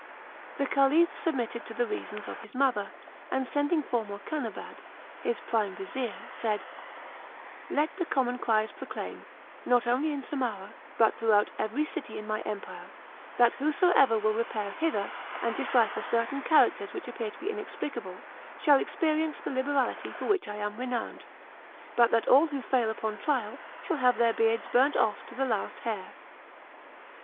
The Caliph submitted to the reasons of his mother, and sending for Morakanabad, his prime vizir, said: "Let the common criers proclaim, not only in Samarah, but throughout every city in my empire, that whosoever will repair hither, and decipher certain characters which appear to be inexplicable, shall experience the liberality for which I am renowned; but that all who fail upon trial shall have their beards burnt off to the last hair.